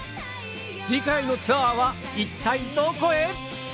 次回のツアーは一体どこへ？